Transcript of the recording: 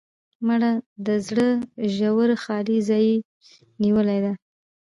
مړه د زړه ژور خالي ځای نیولې ده